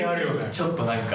ちょっと何か。